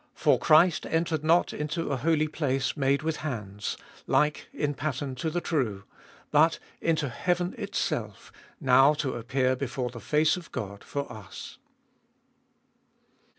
24. For Christ entered not Into a holy place made with hands, like in pattern to the true ; but into heaven itself, now to appear before the face of God for us.